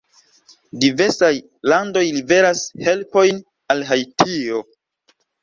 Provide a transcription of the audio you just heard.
Diversaj landoj liveras helpojn al Haitio.